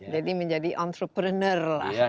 jadi menjadi entrepreneur